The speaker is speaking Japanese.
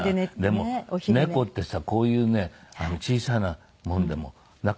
でも猫ってさこういうね小さなものでも中へ入るのよね。